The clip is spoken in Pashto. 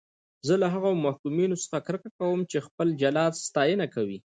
زه له هغو محکومینو څخه کرکه کوم چې خپل جلاد ستاینه کوي.